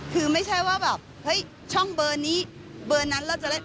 คือไม่ใช่ว่าแบบเฮ้ยช่องเบอร์นี้เบอร์นั้นเราจะเล่น